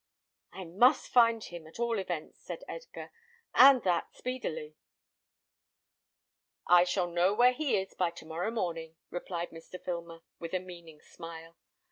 "I must find him, at all events," said Edgar, "and that speedily." "I shall know where he is by to morrow morning," replied Mr. Filmer, with a meaning smile.